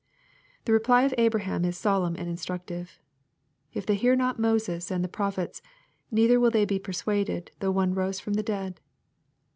The reply of Abraham is solemn and instructive, —" If they hear not Moses and the prophets, neither will they be persuaded though one rose from the dead."